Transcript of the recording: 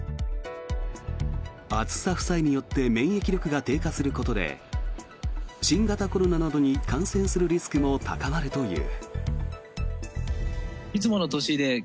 暑さ負債によって免疫力が低下することで新型コロナなどに感染するリスクも高まるという。